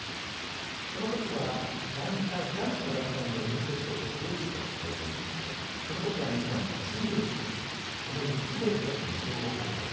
その時は男子の団体も準決勝でドイツと対戦しましてその時は水谷、シングルスでともにストレートで２勝を挙げたと。